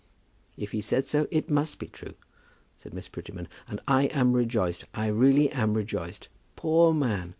"If he said so, it must be true," said Miss Prettyman; "and I am rejoiced. I really am rejoiced. Poor man!